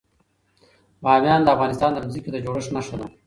بامیان د افغانستان د ځمکې د جوړښت نښه ده.